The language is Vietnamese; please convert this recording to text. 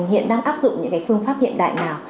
hiện đang áp dụng những cái phương pháp hiện đại nào